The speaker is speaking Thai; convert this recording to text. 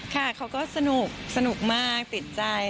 ค่ะเขาก็สนุกสนุกมากติดใจ